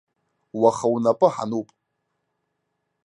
Уаха унапы ҳануп.